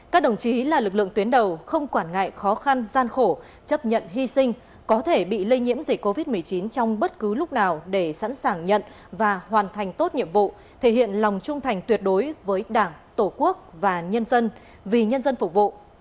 các đồng chí là lực lượng tuyến đầu không quản ngại khó khăn gian khổ chấp nhận hy sinh có thể bị lây nhiễm dịch covid một mươi chín trong bất cứ lúc nào để sẵn sàng nhận và hoàn thành tốt nhiệm vụ thể hiện lòng trung thành tuyệt đối với đảng tổ quốc và nhân dân vì nhân dân phục vụ